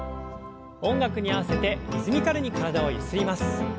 音楽に合わせてリズミカルに体をゆすります。